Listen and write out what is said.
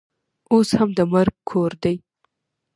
اوس هم د مرګ کور دی.